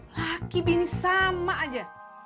lagi bini sama aja